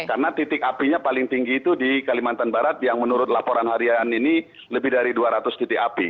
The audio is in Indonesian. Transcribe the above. karena titik apinya paling tinggi itu di kalimantan barat yang menurut laporan harian ini lebih dari dua ratus titik api